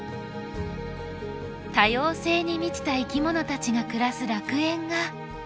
多様性に満ちた生き物たちが暮らす楽園がここにもありました。